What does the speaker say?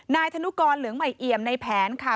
ธนุกรเหลืองใหม่เอี่ยมในแผนค่ะ